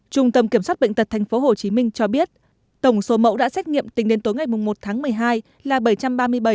trung tâm kiểm soát bệnh tật tp hcm cho biết tổng số mẫu đã xét nghiệm tính đến tối ngày một tháng một mươi hai là bảy trăm ba mươi bảy